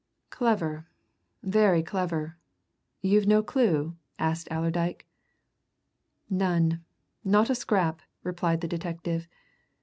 "Clever very clever! You've no clue?" asked Allerdyke. "None; not a scrap!" replied the detective.